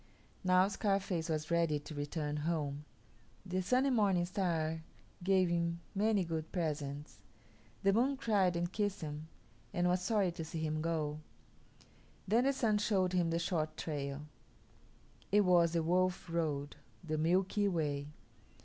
Now Scarface was ready to return home. The Sun and Morning Star gave him many good presents; the Moon cried and kissed him and was sorry to see him go. Then the Sun showed him the short trail. It was the Wolf Road the Milky Way.